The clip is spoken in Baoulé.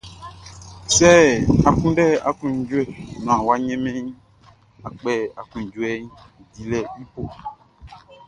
Sɛ a kunndɛ aklunjuɛ naan a wunmɛn iʼn, a kpɛ aklunjuɛ dilɛʼn i bo.